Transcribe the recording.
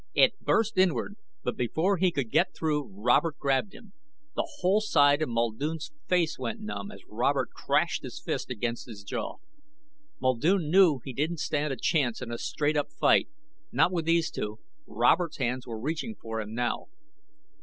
It burst inward, but before he could get through Robert grabbed him. The whole side of Muldoon's face went numb as Robert crashed his fist against his jaw. Muldoon knew he didn't stand a chance in a straight up fight, not with these two. Robert's hands were reaching for him, now.